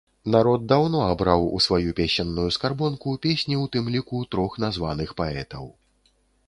Народ даўно абраў у сваю песенную скарбонку песні ў тым ліку трох названых паэтаў.